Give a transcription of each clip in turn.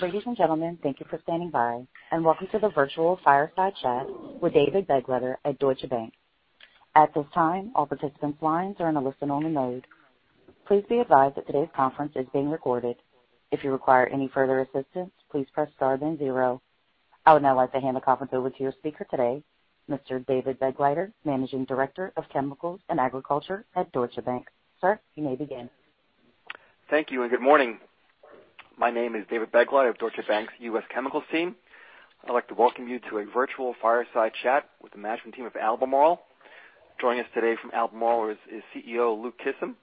Ladies and gentlemen, thank you for standing by, and welcome to the virtual fireside chat with David Begleiter at Deutsche Bank. At this time, all participants' lines are in a listen-only mode. Please be advised that today's conference is being recorded. If you require any further assistance, please press star then zero. I would now like to hand the conference over to your speaker today, Mr. David Begleiter, Managing Director of Chemicals and Agriculture at Deutsche Bank. Sir, you may begin. Thank you, and good morning. My name is David Begleiter of Deutsche Bank's U.S. Chemicals team. I'd like to welcome you to a virtual fireside chat with the management team of Albemarle. Joining us today from Albemarle is CEO Luke Kissam,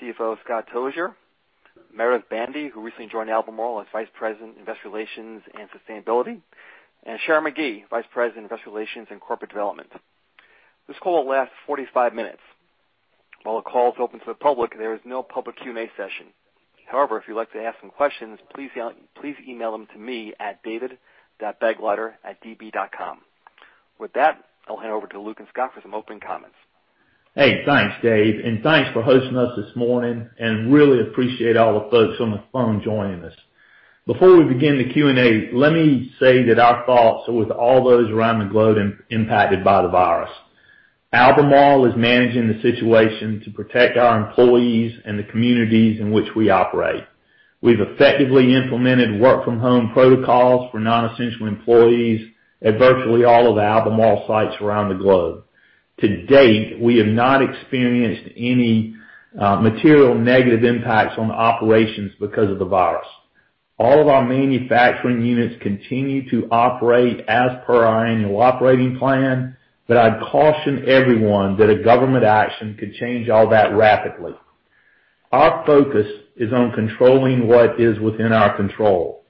CFO Scott Tozier, Meredith Bandy, who recently joined Albemarle as Vice President, Investor Relations and Sustainability, and Sharon McGee, Vice President, Investor Relations and Corporate Development. This call will last 45 minutes. While the call is open to the public, there is no public Q&A session. However, if you'd like to ask some questions, please email them to me at david.begleiter@db.com. With that, I'll hand over to Luke and Scott for some opening comments. Hey thanks Dave. Thanks for hosting us this morning. Really appreciate all the folks on the phone joining us. Before we begin the Q&A, let me say that our thoughts are with all those around the globe impacted by the virus. Albemarle is managing the situation to protect our employees and the communities in which we operate. We've effectively implemented work-from-home protocols for non-essential employees at virtually all of the Albemarle sites around the globe. To date, we have not experienced any material negative impacts on the operations because of the virus. All of our manufacturing units continue to operate as per our annual operating plan. I'd caution everyone that a government action could change all that rapidly. Our focus is on controlling what is within our control.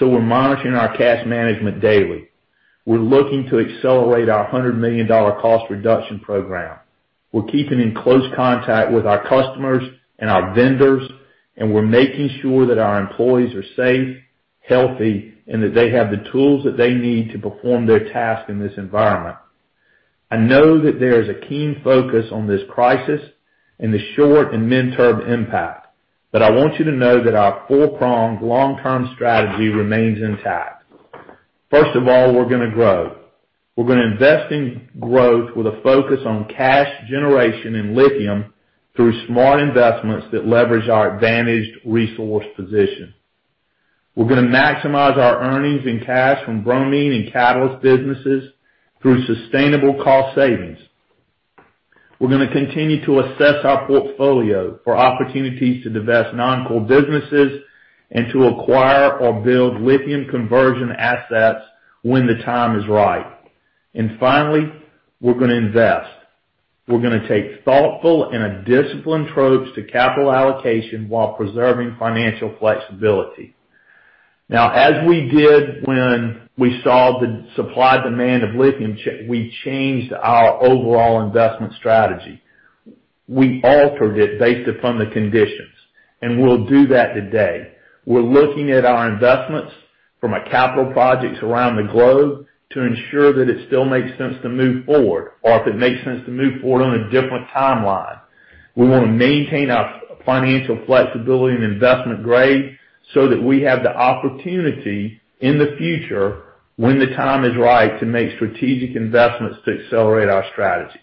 We're monitoring our cash management daily. We're looking to accelerate our $100 million cost reduction program. We're keeping in close contact with our customers and our vendors, and we're making sure that our employees are safe, healthy, and that they have the tools that they need to perform their task in this environment. I know that there is a keen focus on this crisis and the short and midterm impact, but I want you to know that our four-pronged long-term strategy remains intact. First of all, we're going to grow. We're going to invest in growth with a focus on cash generation and lithium through smart investments that leverage our advantaged resource position. We're going to maximize our earnings and cash from bromine and catalyst businesses through sustainable cost savings. We're going to continue to assess our portfolio for opportunities to divest non-core businesses and to acquire or build lithium conversion assets when the time is right. Finally, we're going to invest. We're going to take thoughtful and a disciplined approach to capital allocation while preserving financial flexibility. As we did when we saw the supply-demand of lithium, we changed our overall investment strategy. We altered it based upon the conditions. We'll do that today. We're looking at our investments from a capital projects around the globe to ensure that it still makes sense to move forward, or if it makes sense to move forward on a different timeline. We want to maintain our financial flexibility and investment grade. We have the opportunity in the future, when the time is right, to make strategic investments to accelerate our strategy.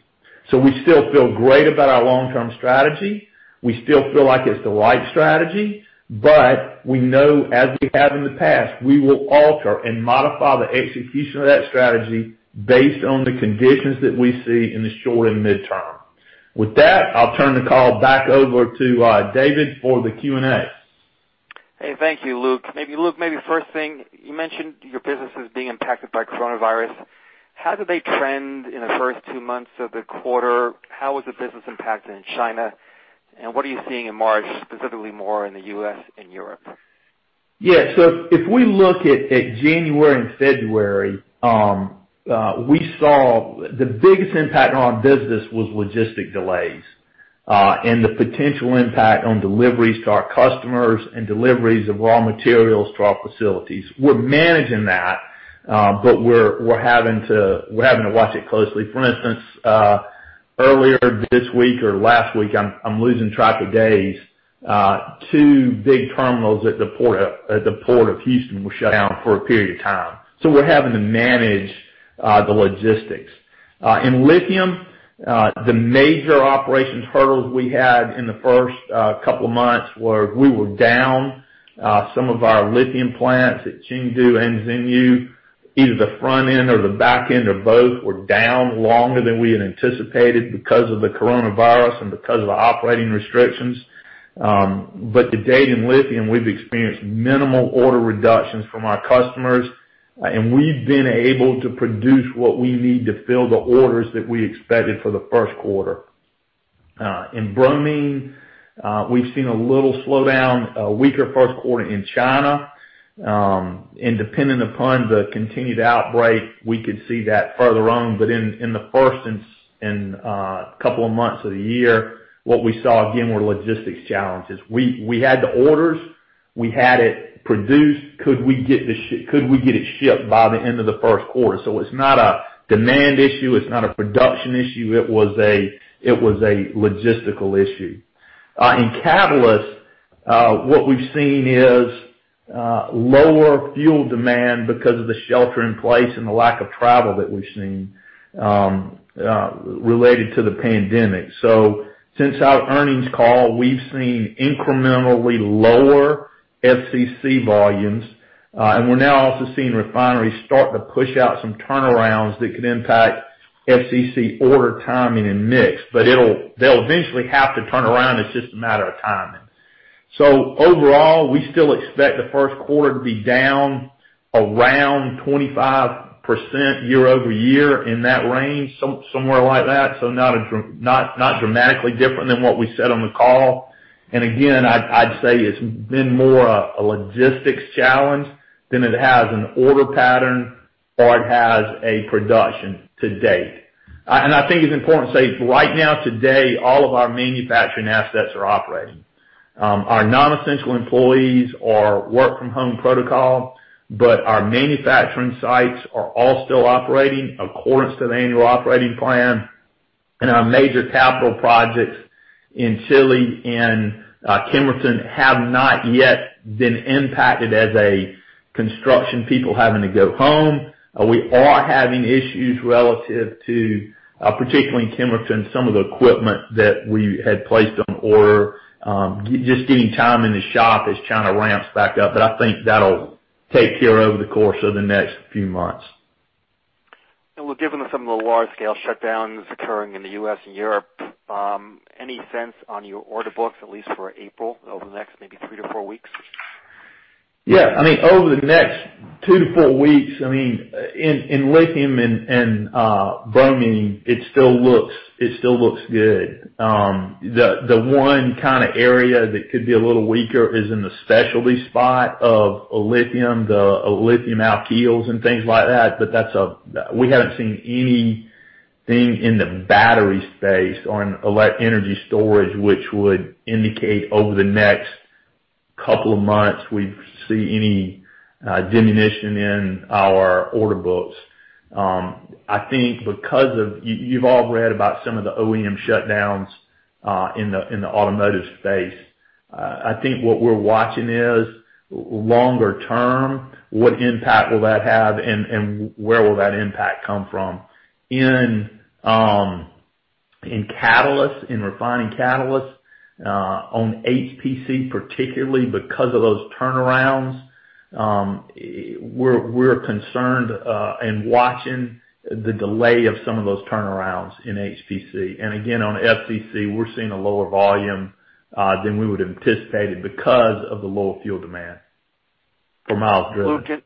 We still feel great about our long-term strategy. We still feel like it's the right strategy, but we know as we have in the past, we will alter and modify the execution of that strategy based on the conditions that we see in the short and midterm. With that, I'll turn the call back over to David for the Q&A. Hey thank you Luke. Maybe, Luke, first thing, you mentioned your business is being impacted by coronavirus. How did they trend in the first two months of the quarter? How was the business impacted in China? What are you seeing in March, specifically more in the U.S. and Europe? Yeah. If we look at January and February, we saw the biggest impact on our business was logistic delays, and the potential impact on deliveries to our customers and deliveries of raw materials to our facilities. We're managing that, but we're having to watch it closely. For instance, earlier this week or last week, I'm losing track of days, two big terminals at the Port of Houston were shut down for a period of time. We're having to manage the logistics. In lithium, the major operations hurdles we had in the first couple of months were we were down some of our lithium plants at Chengdu and Xinyu. Either the front end or the back end or both were down longer than we had anticipated because of the coronavirus and because of the operating restrictions. To date in lithium, we've experienced minimal order reductions from our customers, and we've been able to produce what we need to fill the orders that we expected for the first quarter. In bromine, we've seen a little slowdown, a weaker first quarter in China. Depending upon the continued outbreak, we could see that further on. In the first and couple of months of the year, what we saw again were logistics challenges. We had the orders. We had it produced. Could we get it shipped by the end of the first quarter? It's not a demand issue. It's not a production issue. It was a logistical issue. In catalyst, what we've seen is lower fuel demand because of the shelter in place and the lack of travel that we've seen related to the pandemic. Since our earnings call, we've seen incrementally lower FCC volumes, and we're now also seeing refineries start to push out some turnarounds that could impact FCC order timing and mix. They'll eventually have to turn around, it's just a matter of timing. Overall, we still expect the first quarter to be down around 25% year-over-year, in that range. Somewhere like that. Not dramatically different than what we said on the call. Again, I'd say it's been more a logistics challenge than it has an order pattern or it has a production to date. I think it's important to say, right now, today, all of our manufacturing assets are operating. Our non-essential employees are work from home protocol, but our manufacturing sites are all still operating accordance to the annual operating plan. Our major capital projects in Chile and Kemerton have not yet been impacted as a construction, people having to go home. We are having issues relative to, particularly in Kemerton, some of the equipment that we had placed on order. Just getting time in the shop as China ramps back up. I think that'll take care over the course of the next few months. Luke, given some of the large-scale shutdowns occurring in the U.S. and Europe, any sense on your order books, at least for April, over the next maybe three to four weeks? Yeah. Over the next two to four weeks, in lithium and bromine, it still looks good. The one area that could be a little weaker is in the specialty spot of lithium, the lithium alkyls, and things like that. We haven't seen anything in the battery space or in energy storage, which would indicate over the next couple of months we see any diminution in our order books. You've all read about some of the OEM shutdowns in the automotive space. I think what we're watching is, longer term, what impact will that have and where will that impact come from? In catalyst, in refining catalyst, on HPC particularly because of those turnarounds, we're concerned and watching the delay of some of those turnarounds in HPC. Again, on FCC, we're seeing a lower volume than we would have anticipated because of the lower fuel demand for miles driven. Luke,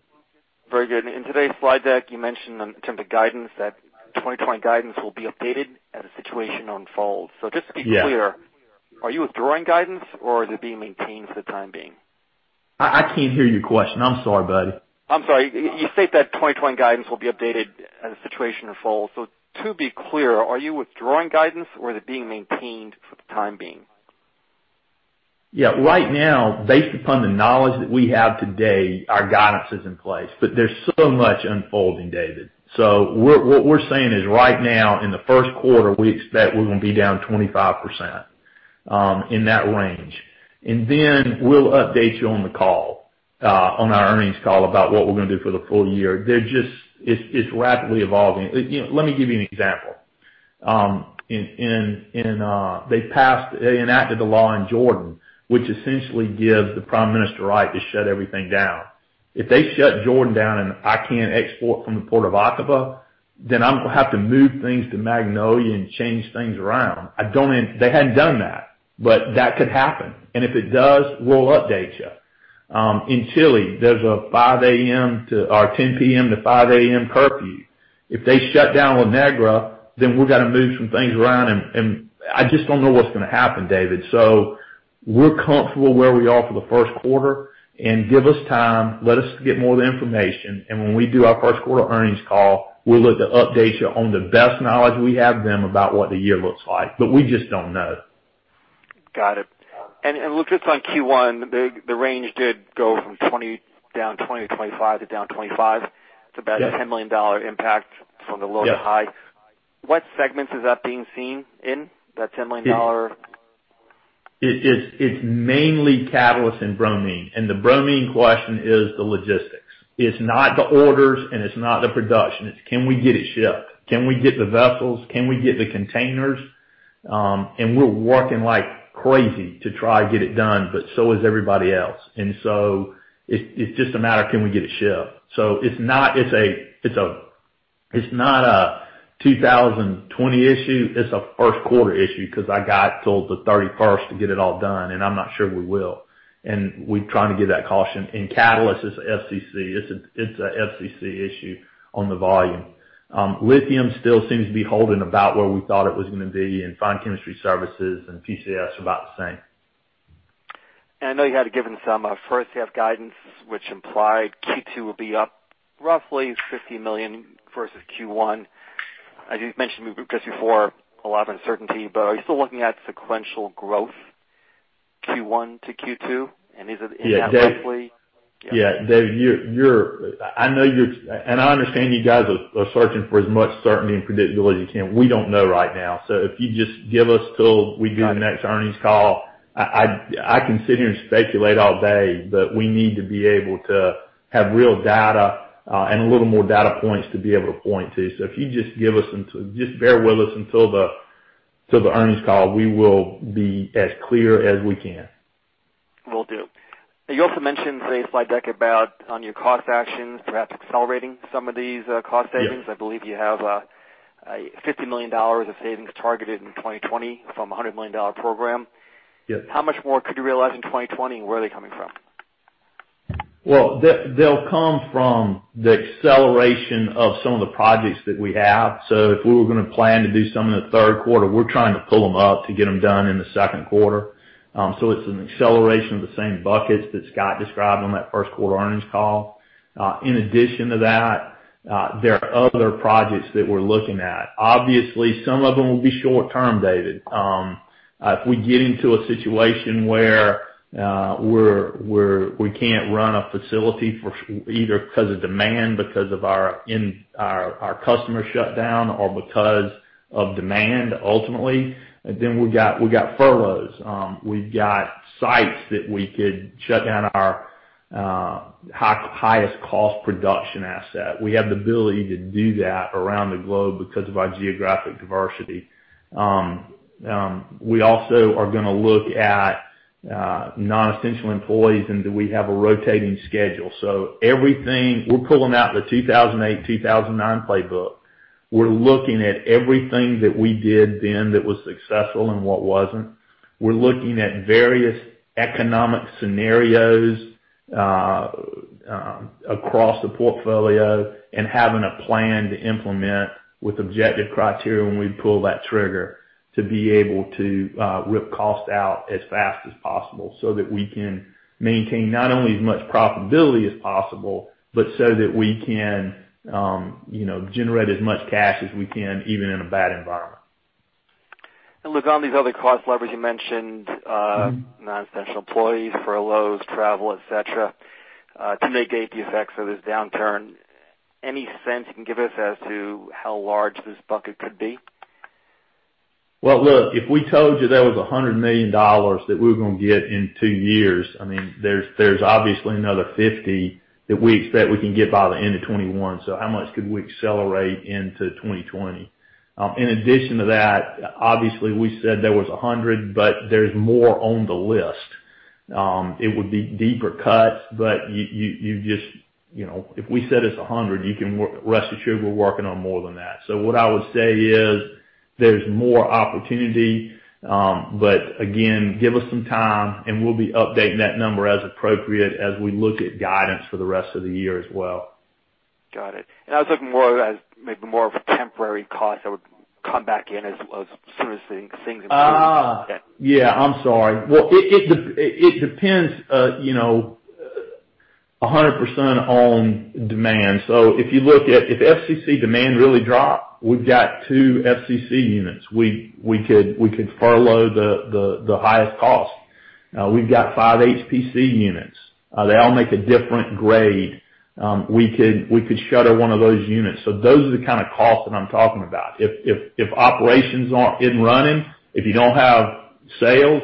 very good. In today's slide deck, you mentioned in terms of guidance that 2020 guidance will be updated as the situation unfolds. Yeah. Just to be clear, are you withdrawing guidance or is it being maintained for the time being? I can't hear your question. I'm sorry, buddy. I'm sorry. You state that 2020 guidance will be updated as the situation unfolds. To be clear, are you withdrawing guidance or is it being maintained for the time being? Yeah. Right now, based upon the knowledge that we have today, our guidance is in place. There's so much unfolding, David. What we're saying is right now, in the first quarter, we expect we're going to be down 25%, in that range. Then we'll update you on the call, on our earnings call about what we're going to do for the full year. It's rapidly evolving. Let me give you an example. They enacted the law in Jordan, which essentially gives the Prime Minister right to shut everything down. If they shut Jordan down and I can't export from the Port of Aqaba, I'm going to have to move things to Magnolia and change things around. They hadn't done that could happen. If it does, we'll update you. In Chile, there's a 10:00 P.M.-5:00 A.M. curfew. If they shut down La Negra, then we've got to move some things around and I just don't know what's going to happen, David. We're comfortable where we are for the first quarter, and give us time, let us get more of the information, and when we do our first quarter earnings call, we'll look to update you on the best knowledge we have then about what the year looks like. We just don't know. Got it. Luke, just on Q1, the range did go from down 20%-25% to down 25%. Yeah. It's about a $10 million impact from the low to high. Yeah. What segments is that being seen in, that $10 million? It's mainly catalyst and bromine. The bromine question is the logistics. It's not the orders and it's not the production. It's can we get it shipped? Can we get the vessels? Can we get the containers? We're working like crazy to try to get it done, but so is everybody else. It's just a matter of can we get it shipped. It's not a 2020 issue. It's a first quarter issue because I got till the 31st to get it all done, and I'm not sure we will. We're trying to give that caution. In catalyst, it's FCC. It's a FCC issue on the volume. Lithium still seems to be holding about where we thought it was going to be, and Fine Chemistry Services and PCS are about the same. I know you had given some first half guidance, which implied Q2 will be up roughly $50 million versus Q1. As you mentioned just before, a lot of uncertainty, but are you still looking at sequential growth? Q1 to Q2? Yeah, David, I know you're I understand you guys are searching for as much certainty and predictability as you can. We don't know right now. If you just give us till we do the next earnings call. I can sit here and speculate all day, but we need to be able to have real data, and a little more data points to be able to point to. If you just bear with us until the earnings call, we will be as clear as we can. Will do. You also mentioned in a slide deck about on your cost actions, perhaps accelerating some of these cost savings. Yeah. I believe you have $50 million of savings targeted in 2020 from a $100 million program. Yes. How much more could you realize in 2020, and where are they coming from? Well, they'll come from the acceleration of some of the projects that we have. If we were going to plan to do some in the third quarter, we're trying to pull them up to get them done in the second quarter. It's an acceleration of the same buckets that Scott described on that first quarter earnings call. In addition to that, there are other projects that we're looking at. Obviously, some of them will be short-term, David. If we get into a situation where we can't run a facility either because of demand, because of our customer shutdown, or because of demand, ultimately, then we've got furloughs. We've got sites that we could shut down our highest cost production asset. We have the ability to do that around the globe because of our geographic diversity. We also are going to look at non-essential employees, and do we have a rotating schedule. Everything, we're pulling out the 2008-2009 playbook. We're looking at everything that we did then that was successful and what wasn't. We're looking at various economic scenarios across the portfolio and having a plan to implement with objective criteria when we pull that trigger to be able to rip cost out as fast as possible, so that we can maintain not only as much profitability as possible, but so that we can generate as much cash as we can, even in a bad environment. Look, on these other cost levers you mentioned, non-essential employees, furloughs, travel, et cetera, to mitigate the effects of this downturn, any sense you can give us as to how large this bucket could be? Look, if we told you there was $100 million that we were going to get in two years, there's obviously another $50 million that we expect we can get by the end of 2021, so how much could we accelerate into 2020? In addition to that, obviously, we said there was $100 million, but there's more on the list. It would be deeper cuts, but if we said it's $100 million, rest assured we're working on more than that. What I would say is, there's more opportunity. Again, give us some time, and we'll be updating that number as appropriate as we look at guidance for the rest of the year as well. Got it. I was looking more as maybe more of a temporary cost that would come back in as soon as things improve. Yeah. Yeah, I'm sorry. It depends 100% on demand. If FCC demand really dropped, we've got two FCC units. We could furlough the highest cost. We've got five HPC units. They all make a different grade. We could shutter one of those units. Those are the kind of costs that I'm talking about. If operations aren't in running, if you don't have sales,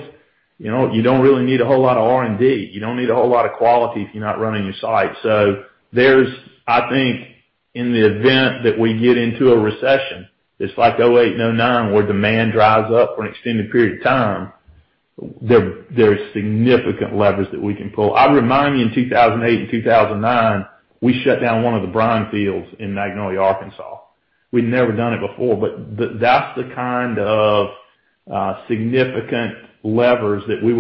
you don't really need a whole lot of R&D. You don't need a whole lot of quality if you're not running your site. There's, I think, in the event that we get into a recession, it's like 2008 and 2009, where demand dries up for an extended period of time, there are significant levers that we can pull. I remind you, in 2008 and 2009, we shut down one of the brine fields in Magnolia, Arkansas. We'd never done it before, but that's the kind of significant levers that we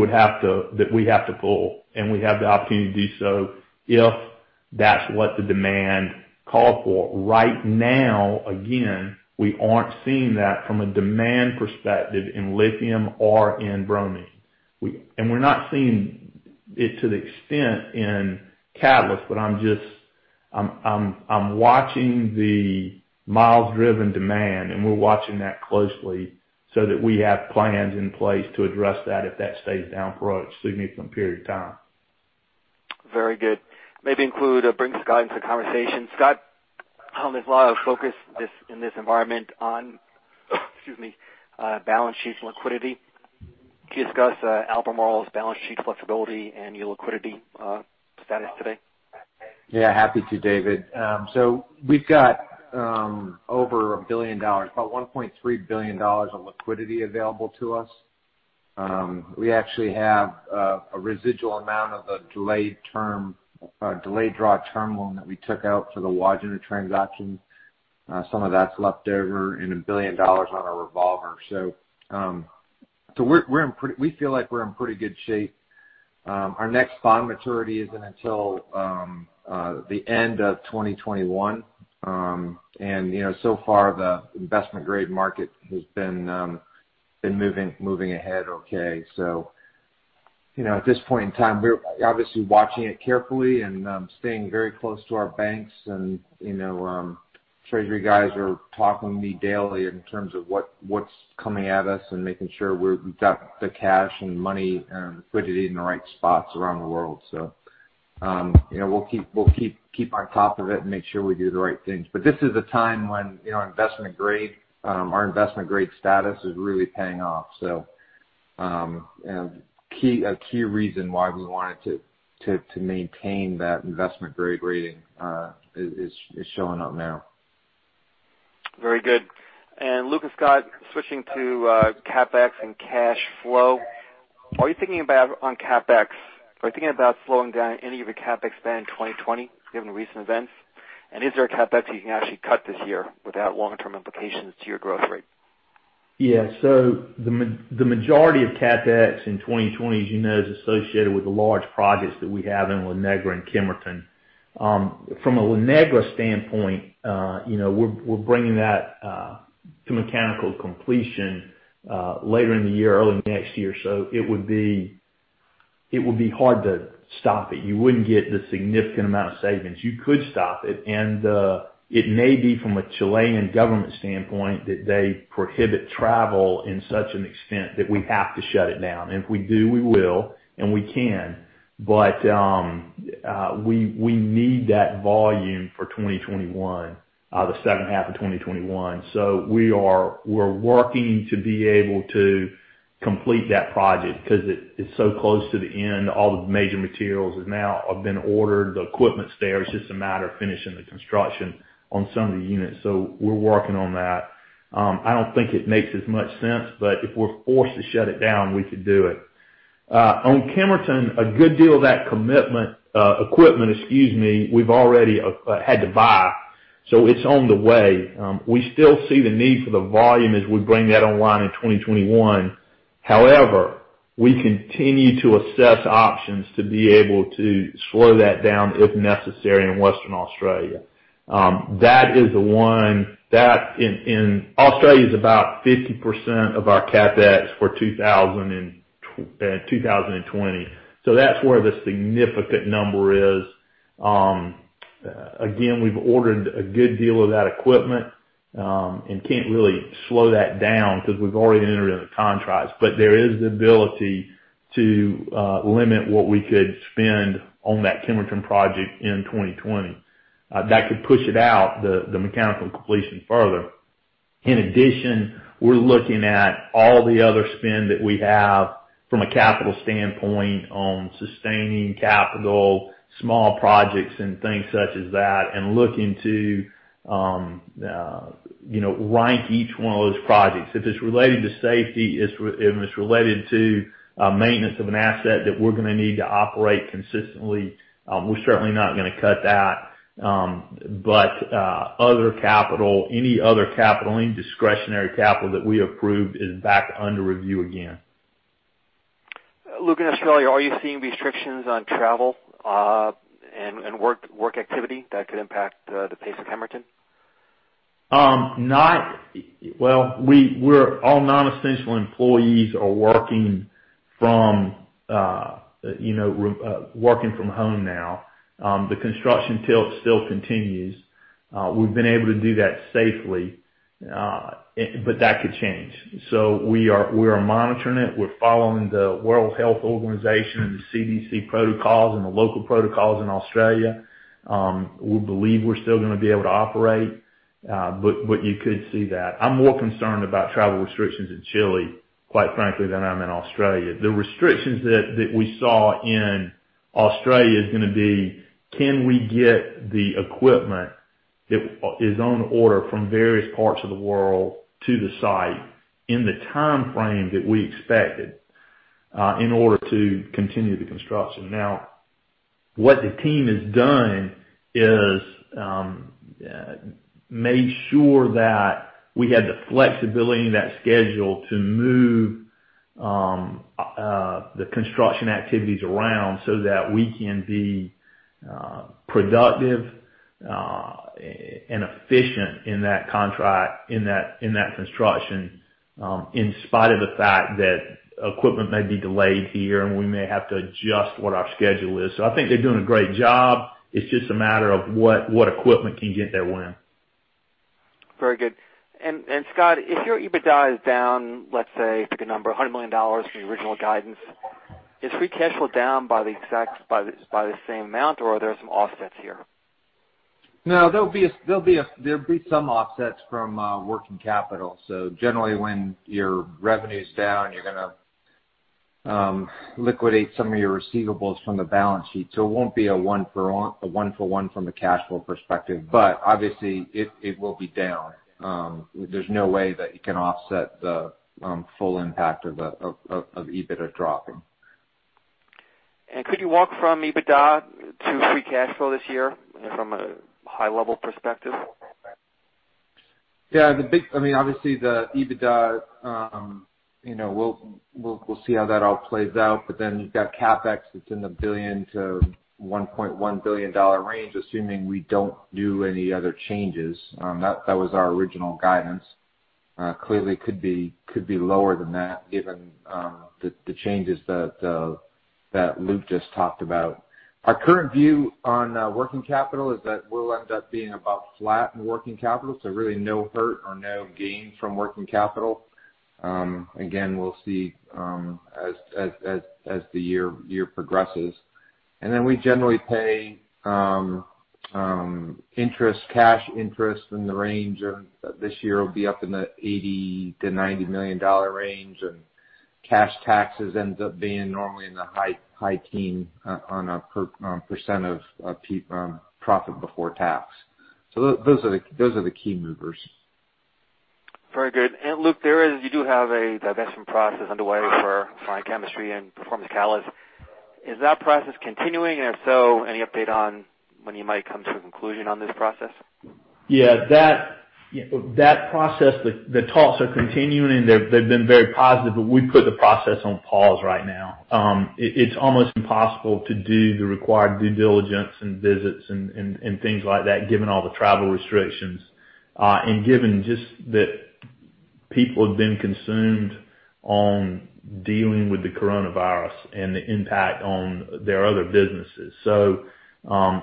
have to pull, and we have the opportunity to do so if that's what the demand called for. Right now, again, we aren't seeing that from a demand perspective in lithium or in bromine. We're not seeing it to the extent in catalyst, but I'm watching the miles driven demand, and we're watching that closely so that we have plans in place to address that if that stays down for a significant period of time. Very good. Maybe include or bring Scott into the conversation. Scott, there's a lot of focus in this environment on excuse me, balance sheets and liquidity. Can you discuss Albemarle's balance sheet flexibility and your liquidity status today? Yeah, happy to, David. We've got over $1 billion, about $1.3 billion of liquidity available to us. We actually have a residual amount of a delayed draw term loan that we took out for the Wodgina transaction. Some of that's left over, and $1 billion on our revolver. We feel like we're in pretty good shape. Our next bond maturity isn't until the end of 2021. So far, the investment grade market has been moving ahead okay. At this point in time, we're obviously watching it carefully and staying very close to our banks and Treasury guys are talking to me daily in terms of what's coming at us and making sure we've got the cash and money and liquidity in the right spots around the world. We'll keep on top of it and make sure we do the right things. This is a time when our investment grade status is really paying off. A key reason why we wanted to maintain that investment grade rating is showing up now. Very good. Luke and Scott, switching to CapEx and cash flow, are you thinking about, on CapEx, slowing down any of your CapEx spend in 2020 given the recent events? Is there a CapEx that you can actually cut this year without long-term implications to your growth rate? Yeah. The majority of CapEx in 2020, as you know, is associated with the large projects that we have in La Negra and Kemerton. From a La Negra standpoint, we're bringing that to mechanical completion later in the year, early next year. It would be hard to stop it. You wouldn't get the significant amount of savings. You could stop it, and it may be from a Chilean government standpoint that they prohibit travel in such an extent that we have to shut it down. If we do, we will, and we can. We need that volume for 2021, the second half of 2021. We're working to be able to complete that project because it's so close to the end. All the major materials now have been ordered. The equipment's there. It's just a matter of finishing the construction on some of the units. We're working on that. I don't think it makes as much sense, but if we're forced to shut it down, we could do it. On Kemerton, a good deal of that equipment we've already had to buy. It's on the way. We still see the need for the volume as we bring that online in 2021. However, we continue to assess options to be able to slow that down, if necessary, in Western Australia. Australia's about 50% of our CapEx for 2020. That's where the significant number is. Again, we've ordered a good deal of that equipment, and can't really slow that down because we've already entered into the contracts. There is the ability to limit what we could spend on that Kemerton project in 2020. That could push it out, the mechanical completion further. We're looking at all the other spend that we have from a capital standpoint on sustaining capital, small projects and things such as that, and looking to rank each one of those projects. If it's related to safety, if it's related to maintenance of an asset that we're going to need to operate consistently, we're certainly not going to cut that. Any other capital, any discretionary capital that we approved is back under review again. Luke, in Australia, are you seeing restrictions on travel and work activity that could impact the pace of Kemerton? Well, all non-essential employees are working from home now. The construction tilt still continues. We've been able to do that safely. That could change. We are monitoring it. We're following the World Health Organization and the CDC protocols and the local protocols in Australia. We believe we're still going to be able to operate, but you could see that. I'm more concerned about travel restrictions in Chile, quite frankly, than I am in Australia. The restrictions that we saw in Australia is going to be, can we get the equipment that is on order from various parts of the world to the site in the timeframe that we expected, in order to continue the construction? What the team has done is made sure that we had the flexibility in that schedule to move the construction activities around so that we can be productive and efficient in that construction, in spite of the fact that equipment may be delayed here and we may have to adjust what our schedule is. I think they're doing a great job. It's just a matter of what equipment can get there when. Very good. Scott, if your EBITDA is down, let's say, pick a number, $100 million from your original guidance, is free cash flow down by the same amount, or are there some offsets here? No, there'll be some offsets from working capital. Generally, when your revenue's down, you're going to liquidate some of your receivables from the balance sheet. It won't be a one for one from a cash flow perspective. Obviously, it will be down. There's no way that you can offset the full impact of EBITDA dropping. Could you walk from EBITDA to free cash flow this year from a high-level perspective? Yeah. Obviously, the EBITDA, we'll see how that all plays out. You've got CapEx that's in the $1 billion-$1.1 billion range, assuming we don't do any other changes. That was our original guidance. Clearly could be lower than that given the changes that Luke just talked about. Our current view on working capital is that we'll end up being about flat in working capital, so really no hurt or no gain from working capital. Again, we'll see as the year progresses. We generally pay cash interest this year it'll be up in the $80 million-$90 million range, and cash taxes ends up being normally in the high teen on a percentage of profit before tax. Those are the key movers. Very good. Luke, you do have a divestment process underway for Fine Chemistry and Performance Catalysts. Is that process continuing? If so, any update on when you might come to a conclusion on this process? Yeah, that process, the talks are continuing. They've been very positive, but we've put the process on pause right now. It's almost impossible to do the required due diligence and visits and things like that, given all the travel restrictions, and given just that people have been consumed on dealing with the coronavirus and the impact on their other businesses.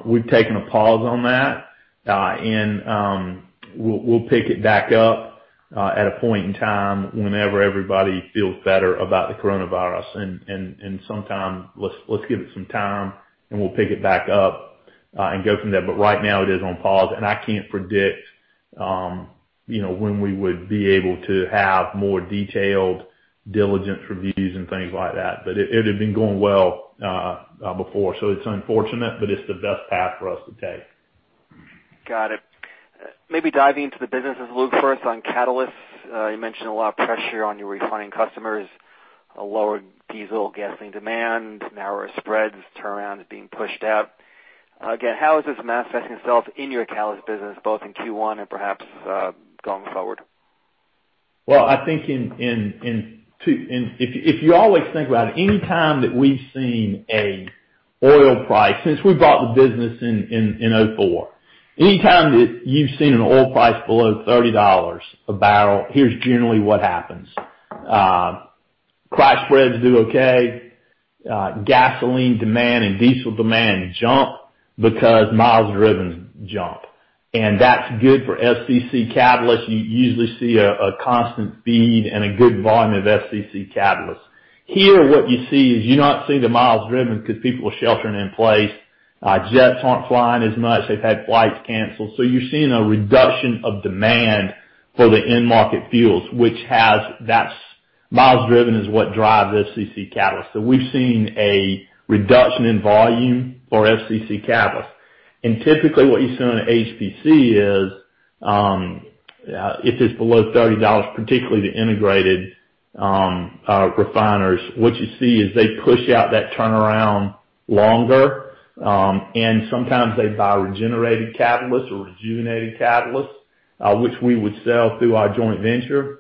We've taken a pause on that, and we'll pick it back up at a point in time whenever everybody feels better about the coronavirus. Let's give it some time, and we'll pick it back up and go from there. Right now it is on pause, and I can't predict when we would be able to have more detailed diligence reviews and things like that. It's unfortunate, but it's the best path for us to take. Got it. Maybe diving into the business, Luke, for us on catalysts. You mentioned a lot of pressure on your refining customers, a lower diesel/gasoline demand, narrower spreads, turnaround is being pushed out. How is this manifesting itself in your catalyst business, both in Q1 and perhaps going forward? Well, I think if you always think about it, anytime that we've seen a oil price, since we bought the business in 2004, anytime that you've seen an oil price below $30 a barrel, here's generally what happens. crack spreads do okay. Gasoline demand and diesel demand jump because miles driven jump, and that's good for FCC catalysts. You usually see a constant feed and a good volume of FCC catalysts. Here, what you see is you're not seeing the miles driven because people are sheltering in place. Jets aren't flying as much. They've had flights canceled. You're seeing a reduction of demand for the end market fuels. Miles driven is what drives FCC catalyst. We've seen a reduction in volume for FCC catalyst. Typically, what you see on the HPC is, if it's below $30, particularly the integrated refiners, what you see is they push out that turnaround longer, and sometimes they buy regenerated catalysts or rejuvenated catalysts, which we would sell through our joint venture.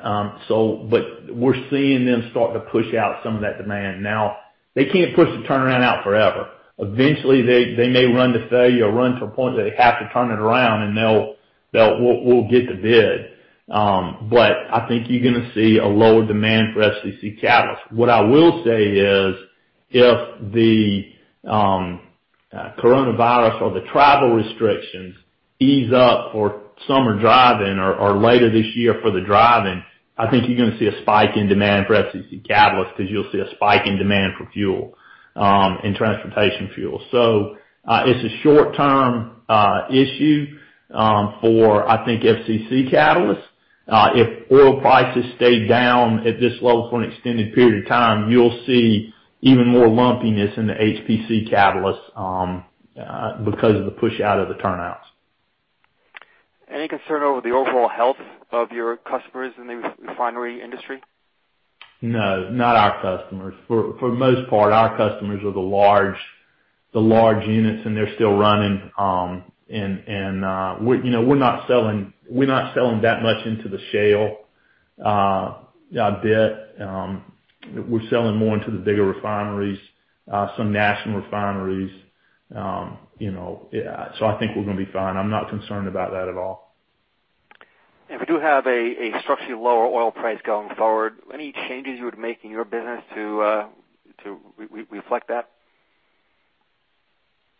We're seeing them start to push out some of that demand. Now, they can't push the turnaround out forever. Eventually, they may run to failure or run to a point that they have to turn it around, and we'll get the bid. I think you're going to see a lower demand for FCC catalyst. What I will say is, if the coronavirus or the travel restrictions ease up for summer driving or later this year for the driving, I think you're going to see a spike in demand for FCC catalyst because you'll see a spike in demand for fuel and transportation fuel. It's a short-term issue for, I think, FCC catalysts. If oil prices stay down at this level for an extended period of time, you'll see even more lumpiness in the HPC catalysts because of the push out of the turnouts. Any concern over the overall health of your customers in the refinery industry? No, not our customers. For the most part, our customers are the large units, and they're still running. We're not selling that much into the shale bit. We're selling more into the bigger refineries, some national refineries. I think we're going to be fine. I'm not concerned about that at all. If we do have a structurally lower oil price going forward, any changes you would make in your business to reflect that?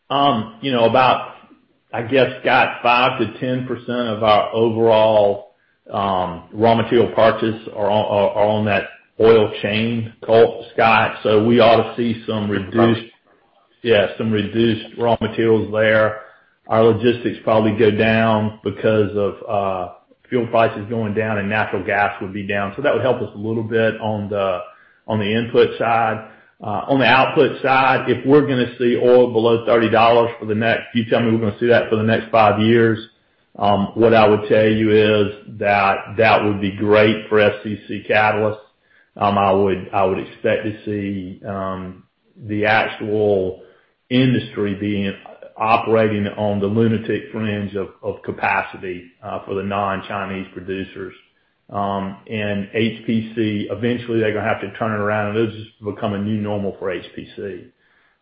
About, I guess, Scott, 5%-10% of our overall raw material purchases are on that oil chain, Scott, so we ought to see some reduced raw materials there. Our logistics probably go down because of fuel prices going down and natural gas would be down. That would help us a little bit on the input side. On the output side, if we're going to see oil below $30 for the next-- If you tell me we're going to see that for the next five years, what I would tell you is that that would be great for FCC catalysts. I would expect to see the actual industry operating on the lunatic fringe of capacity for the non-Chinese producers. HPC, eventually they're going to have to turn it around, and it will just become a new normal for HPC.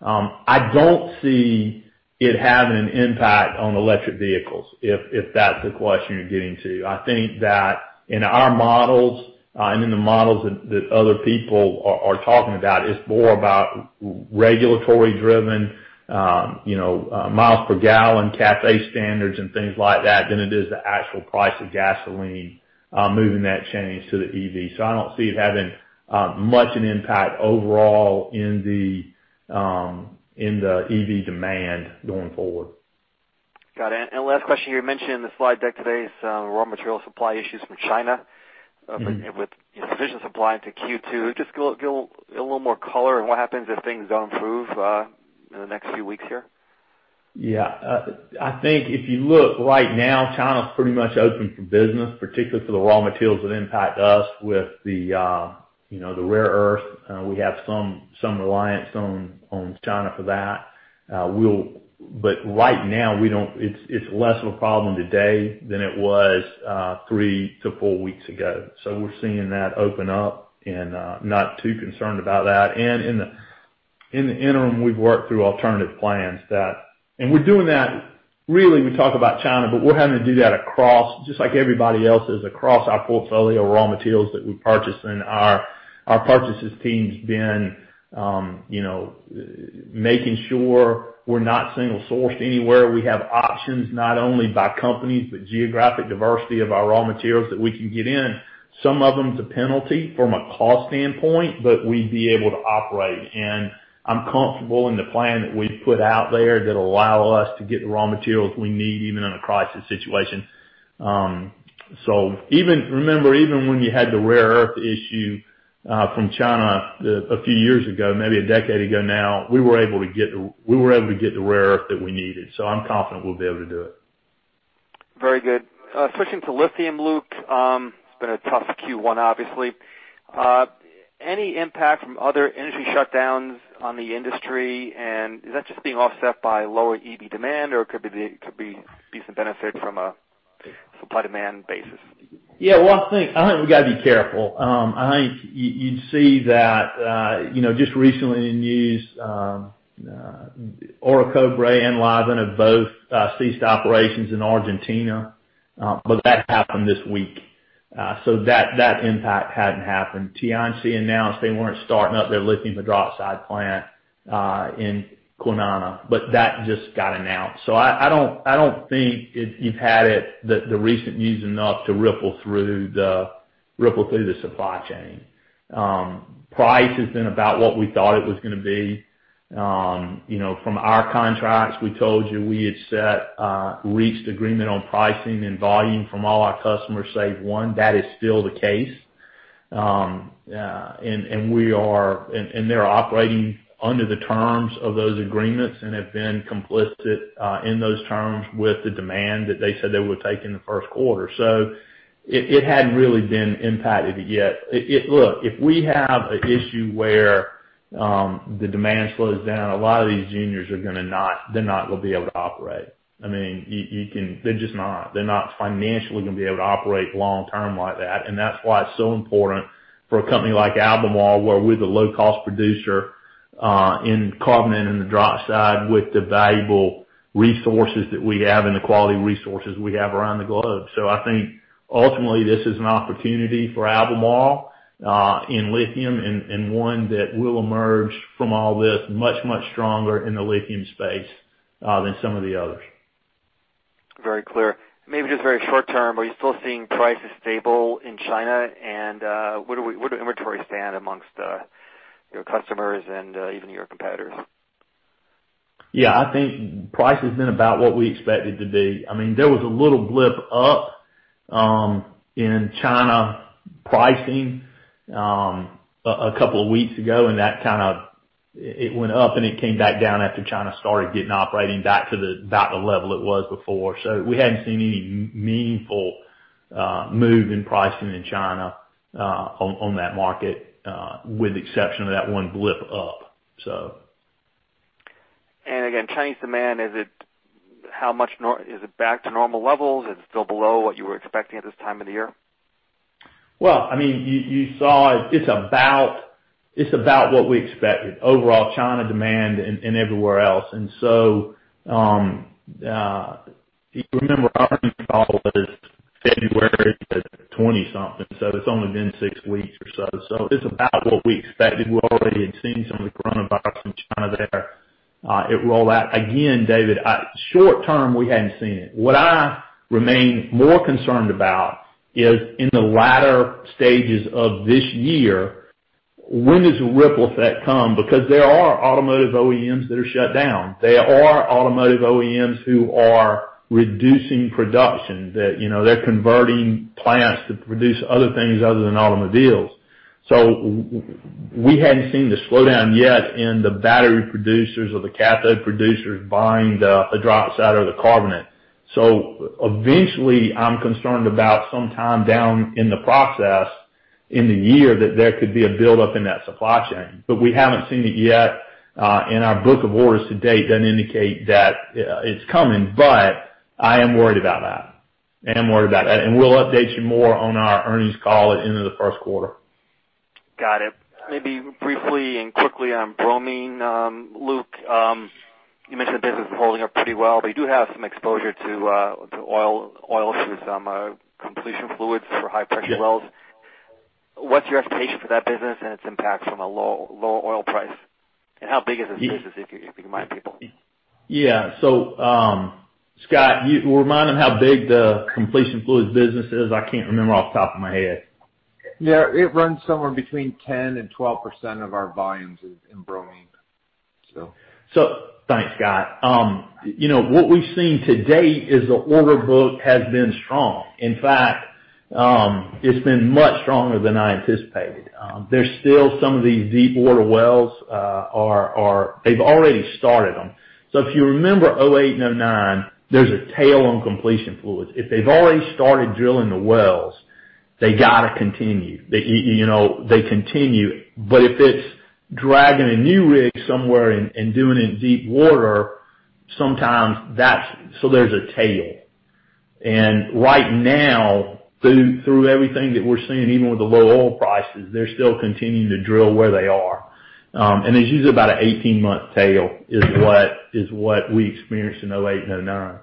I don't see it having an impact on electric vehicles, if that's the question you're getting to. I think that in our models and in the models that other people are talking about, it's more about regulatory driven, miles per gallon, CAFE standards, and things like that than it is the actual price of gasoline, moving that change to the EV. I don't see it having much an impact overall in the EV demand going forward. Got it. Last question, you mentioned in the slide deck today some raw material supply issues from China? with insufficient supply into Q2. Just give a little more color on what happens if things don't improve in the next few weeks here. Yeah. I think if you look right now, China's pretty much open for business, particularly for the raw materials that impact us with the rare earth. We have some reliance on China for that. Right now, it's less of a problem today than it was three to four weeks ago. We're seeing that open up and not too concerned about that. In the interim, we've worked through alternative plans. We're doing that, really, we talk about China, but we're having to do that across, just like everybody else is, across our portfolio of raw materials that we purchase, and our purchases team's been making sure we're not single-sourced anywhere. We have options not only by companies, but geographic diversity of our raw materials that we can get in. Some of them, it's a penalty from a cost standpoint, but we'd be able to operate. I'm comfortable in the plan that we've put out there that allow us to get the raw materials we need, even in a crisis situation. Remember, even when you had the rare earth issue from China a few years ago, maybe a decade ago now, we were able to get the rare earth that we needed. I'm confident we'll be able to do it. Very good. Switching to lithium, Luke. It's been a tough Q1, obviously. Is that just being offset by lower EV demand, or could there be some benefit from a supply-demand basis? Yeah. Well, I think we got to be careful. I think you see that just recently in the news, Orocobre and Livent have both ceased operations in Argentina. That happened this week, so that impact hadn't happened. Tianqi announced they weren't starting up their lithium hydroxide plant in Kwinana, but that just got announced. I don't think you've had the recent news enough to ripple through the supply chain. Price has been about what we thought it was going to be. From our contracts, we told you we had reached agreement on pricing and volume from all our customers, save one. That is still the case. They're operating under the terms of those agreements and have been complicit in those terms with the demand that they said they would take in the first quarter. It hadn't really been impacted yet. Look, if we have an issue where the demand slows down, a lot of these juniors, they're not going to be able to operate. They're just not financially going to be able to operate long term like that. That's why it's so important for a company like Albemarle, where we're the low-cost producer in carbonate and the dry side with the valuable resources that we have and the quality resources we have around the globe. I think ultimately this is an opportunity for Albemarle in lithium and one that will emerge from all this much, much stronger in the lithium space than some of the others. Very clear. Maybe just very short term, are you still seeing prices stable in China? Where do inventory stand amongst your customers and even your competitors? Yeah, I think price has been about what we expected to be. There was a little blip up in China pricing a couple of weeks ago, and it went up and it came back down after China started getting operating back to the level it was before. We hadn't seen any meaningful move in pricing in China on that market with the exception of that one blip up. Again, Chinese demand, is it back to normal levels? Is it still below what you were expecting at this time of the year? Well, you saw it's about what we expected, overall China demand and everywhere else. If you remember, our earnings call was February the 20-something, it's only been six weeks or so. It's about what we expected. We already had seen some of the coronavirus from China there. It rolled out again, David. Short term, we hadn't seen it. What I remain more concerned about is in the latter stages of this year, when does the ripple effect come? There are automotive OEMs that are shut down. There are automotive OEMs who are reducing production. They're converting plants to produce other things other than automobiles. We hadn't seen the slowdown yet in the battery producers or the cathode producers buying the hydroxide or the carbonate. Eventually, I'm concerned about sometime down in the process in the year that there could be a build up in that supply chain, but we haven't seen it yet, and our book of orders to date doesn't indicate that it's coming, but I am worried about that. We'll update you more on our earnings call at the end of the first quarter. Got it. Maybe briefly and quickly on bromine, Luke. You mentioned the business is holding up pretty well, but you do have some exposure to oil through some completion fluids for high pressure wells. Yeah. What's your expectation for that business and its impact from a low oil price? How big is this business, if you don't mind me asking? Yeah. Scott, remind me how big the completion fluids business is? I can't remember off the top of my head. Yeah. It runs somewhere between 10%-12% of our volumes in bromine. Thanks, Scott. What we've seen to date is the order book has been strong. In fact, it's been much stronger than I anticipated. There's still some of these deep water wells, they've already started them. If you remember 2008 and 2009, there's a tail on completion fluids. If they've already started drilling the wells, they got to continue. They continue, but if it's dragging a new rig somewhere and doing it in deep water, sometimes there's a tail. Right now, through everything that we're seeing, even with the low oil prices, they're still continuing to drill where they are. There's usually about an 18-month tail is what we experienced in 2008 and 2009.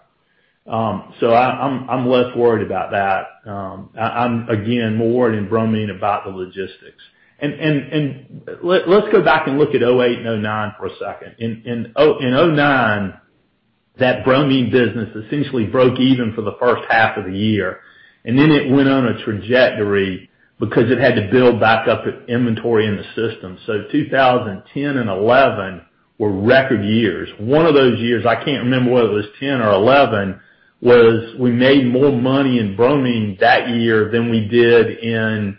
I'm less worried about that. I'm, again, more worried in bromine about the logistics. Let's go back and look at 2008 and 2009 for a second. In 2009, that bromine business essentially broke even for the first half of the year, and then it went on a trajectory because it had to build back up its inventory in the system. 2010 and 2011 were record years. One of those years, I can't remember whether it was 2010 or 2011, was we made more money in bromine that year than we did in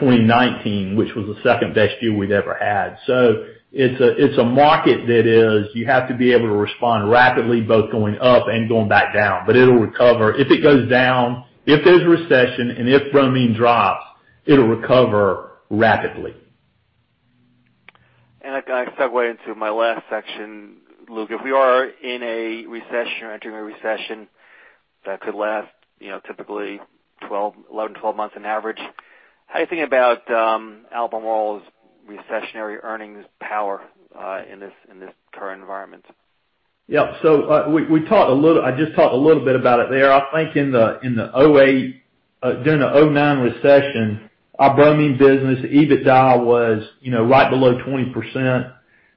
2019, which was the second-best year we'd ever had. It's a market that is, you have to be able to respond rapidly, both going up and going back down, but it'll recover. If it goes down, if there's a recession, and if bromine drops, it'll recover rapidly. I segue into my last section, Luke. If we are in a recession or entering a recession that could last typically 11-12 months on average, how do you think about Albemarle's recessionary earnings power in this current environment? I just talked a little bit about it there. I think during the 2009 recession, our bromine business EBITDA was right below 20%,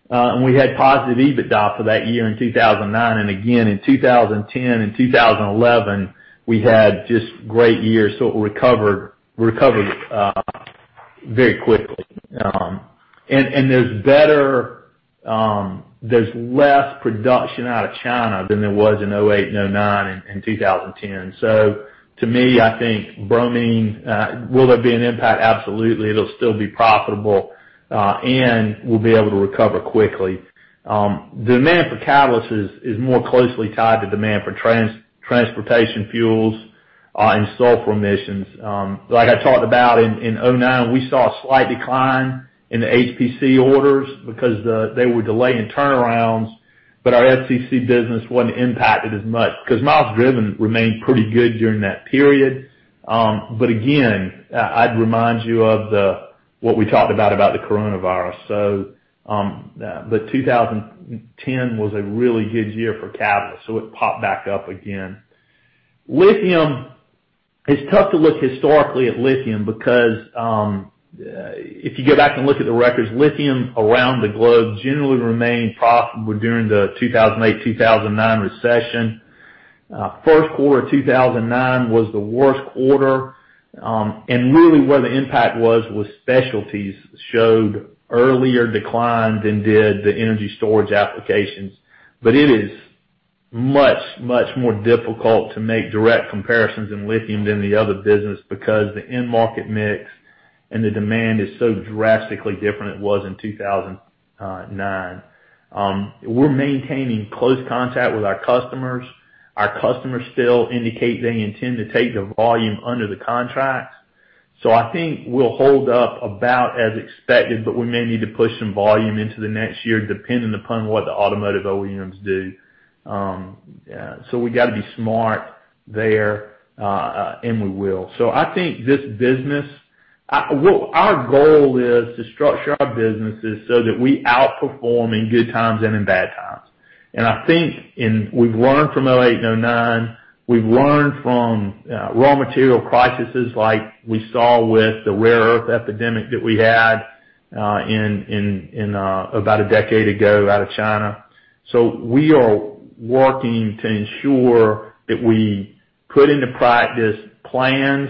and we had positive EBITDA for that year in 2009, and again in 2010 and 2011, we had just great years, it recovered very quickly. There's less production out of China than there was in 2008 and 2009 and 2010. To me, I think bromine, will there be an impact? Absolutely. It'll still be profitable, we'll be able to recover quickly. Demand for catalysts is more closely tied to demand for transportation fuels and sulfur emissions. Like I talked about in 2009, we saw a slight decline in the HPC orders because they were delaying turnarounds, our FCC business wasn't impacted as much because miles driven remained pretty good during that period. Again, I'd remind you of what we talked about the coronavirus. 2010 was a really good year for catalysts, so it popped back up again. Lithium, it's tough to look historically at lithium because, if you go back and look at the records, lithium around the globe generally remained profitable during the 2008-2009 recession. First quarter 2009 was the worst quarter. Really where the impact was specialties showed earlier decline than did the energy storage applications. It is much, much more difficult to make direct comparisons in lithium than the other business because the end market mix and the demand is so drastically different than it was in 2009. We're maintaining close contact with our customers. Our customers still indicate they intend to take the volume under the contracts. I think we'll hold up about as expected, but we may need to push some volume into the next year, depending upon what the automotive OEMs do. We got to be smart there, and we will. I think this business, our goal is to structure our businesses so that we outperform in good times and in bad times. I think, and we've learned from 2008 and 2009, we've learned from raw material crises like we saw with the rare earth epidemic that we had about a decade ago out of China. We are working to ensure that we put into practice plans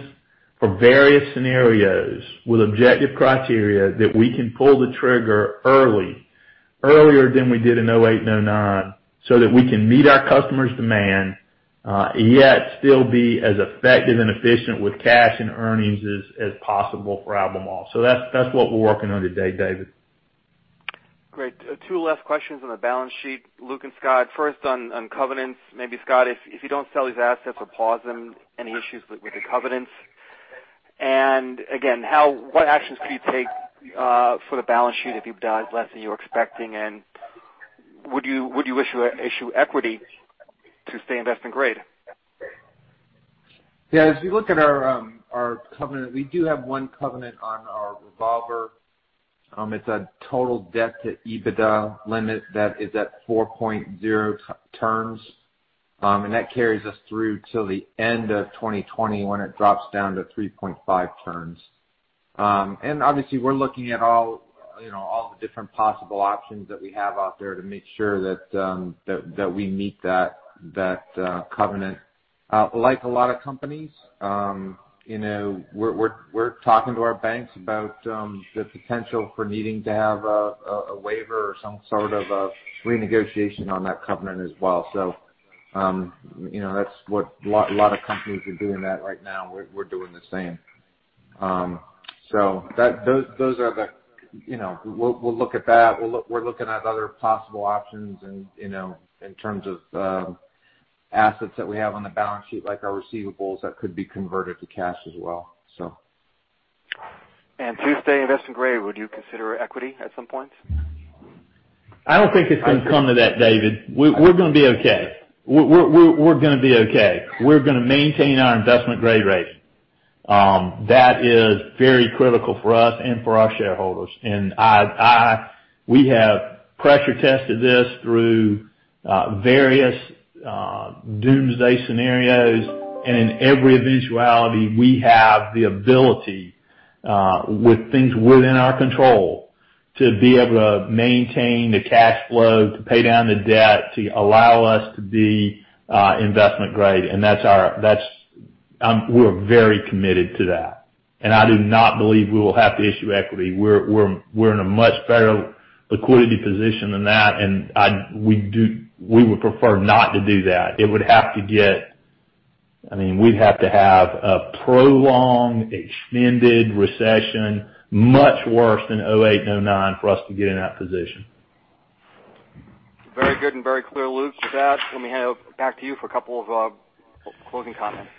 for various scenarios with objective criteria that we can pull the trigger early, earlier than we did in 2008 and 2009, so that we can meet our customers' demand, yet still be as effective and efficient with cash and earnings as possible for Albemarle. That's what we're working on today, David. Great. Two last questions on the balance sheet, Luke and Scott. First, on covenants, maybe Scott, if you don't sell these assets or pause them, any issues with the covenants? Again, what actions could you take for the balance sheet if EBITDA is less than you're expecting? Would you issue equity to stay investment grade? Yeah, if you look at our covenant, we do have one covenant on our revolver. It's a total debt to EBITDA limit that is at 4.0x. That carries us through till the end of 2020, when it drops down to 3.5x. Obviously we're looking at all the different possible options that we have out there to make sure that we meet that covenant. Like a lot of companies, we're talking to our banks about the potential for needing to have a waiver or some sort of a renegotiation on that covenant as well. A lot of companies are doing that right now. We're doing the same. We'll look at that. We're looking at other possible options in terms of assets that we have on the balance sheet, like our receivables, that could be converted to cash as well. To stay investment grade, would you consider equity at some point? I don't think it's going to come to that, David. We're going to be okay. We're going to maintain our investment grade rating. That is very critical for us and for our shareholders. We have pressure tested this through various doomsday scenarios. In every eventuality, we have the ability, with things within our control, to be able to maintain the cash flow, to pay down the debt, to allow us to be investment grade. We're very committed to that. I do not believe we will have to issue equity. We're in a much better liquidity position than that, and we would prefer not to do that. We'd have to have a prolonged, extended recession, much worse than 2008 and 2009 for us to get in that position. Very good and very clear, Luke. With that, let me hand it back to you for a couple of closing comments.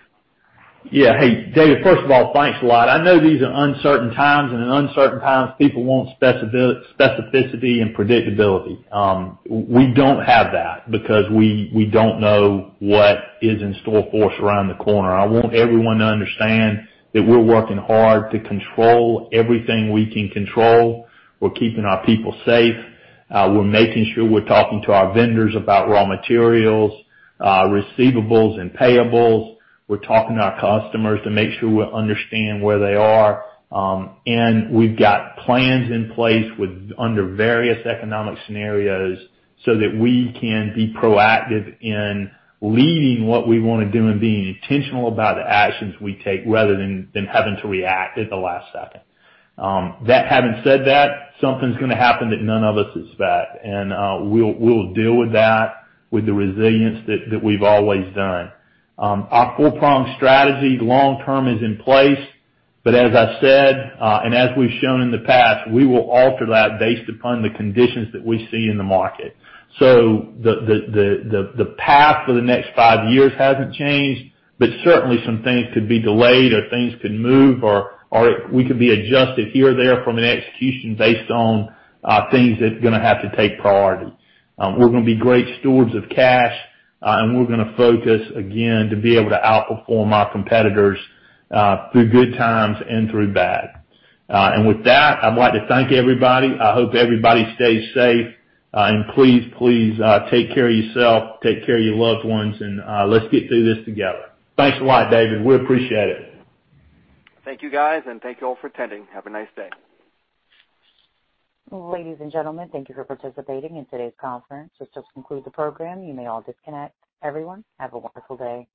Yeah. Hey, David, first of all, thanks a lot. I know these are uncertain times, and in uncertain times, people want specificity and predictability. We don't have that because we don't know what is in store for us around the corner. I want everyone to understand that we're working hard to control everything we can control. We're keeping our people safe. We're making sure we're talking to our vendors about raw materials, receivables, and payables. We're talking to our customers to make sure we understand where they are. We've got plans in place under various economic scenarios so that we can be proactive in leading what we want to do and being intentional about the actions we take rather than having to react at the last second. That having said that, something's going to happen that none of us expect, and we'll deal with that with the resilience that we've always done. Our four-pronged strategy long term is in place, but as I said, and as we've shown in the past, we will alter that based upon the conditions that we see in the market. The path for the next five years hasn't changed, but certainly some things could be delayed or things could move or we could be adjusted here or there from an execution based on things that are going to have to take priority. We're going to be great stewards of cash, and we're going to focus again to be able to outperform our competitors through good times and through bad. With that, I'd like to thank everybody. I hope everybody stays safe, and please take care of yourself, take care of your loved ones, and let's get through this together. Thanks a lot, David. We appreciate it. Thank you, guys, and thank you all for attending. Have a nice day. Ladies and gentlemen, thank you for participating in today's conference. This does conclude the program. You may all disconnect. Everyone, have a wonderful day.